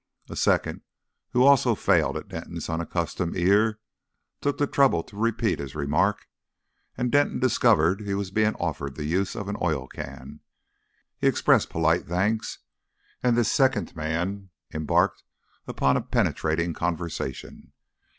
A second, who also failed at Denton's unaccustomed ear, took the trouble to repeat his remark, and Denton discovered he was being offered the use of an oil can. He expressed polite thanks, and this second man embarked upon a penetrating conversation.